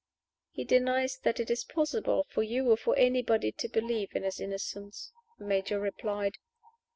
"He denies that it is possible for you or for anybody to believe in his innocence," the Major replied.